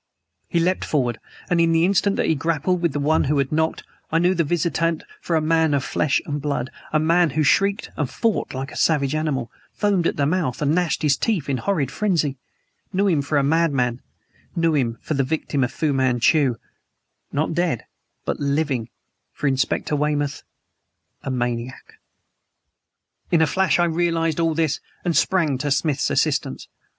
He leaped forward; and in the instant that he grappled with the one who had knocked I knew the visitant for a man of flesh and blood a man who shrieked and fought like a savage animal, foamed at the mouth and gnashed his teeth in horrid frenzy; knew him for a madman knew him for the victim of Fu Manchu not dead, but living for Inspector Weymouth a maniac! In a flash I realized all this and sprang to Smith's assistance.